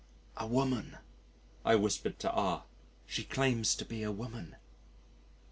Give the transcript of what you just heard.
"A woman," I whispered to R , "She claims to be a woman."